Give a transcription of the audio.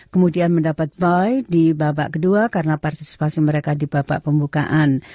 kemudian mendapat boy di babak kedua karena partisipasi mereka di babak pembukaan